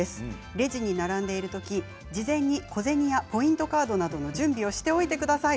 レジに並んでいるとき事前に小銭やポイントカードなどの準備をしておいてください。